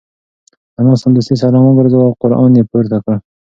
انا سمدستي سلام وگرځاوه او قران یې پورته کړ.